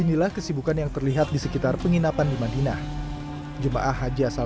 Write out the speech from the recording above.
inilah kesibukan yang terlihat di sekitar penginapan di madinah jemaah haji asal